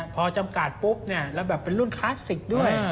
พอจำกัดปุ๊บแล้วแบบเป็นรุ่นคลาสสิกด้วย